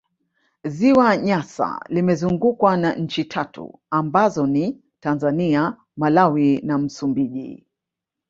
Ziwa Nyasa limezungukwa na nchi tatu ambazo ni Tanzania Malawi na MsumbIji